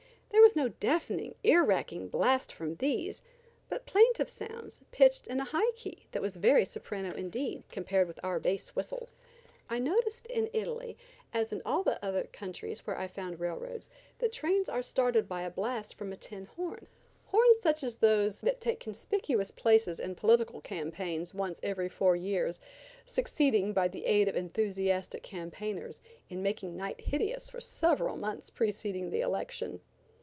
There was no deafening, ear racking blast from these, but plaintive sounds, pitched in a high key that was very soprano indeed, compared with our bass whistles. I noticed in Italy, as in all the other countries where I found railroads, that trains are started by a blast from a tin horn–horns such as those that take conspicuous places in political campaigns once every four years, succeeding, by the aid of enthusiastic campaigners, in making night hideous for several months preceding the election.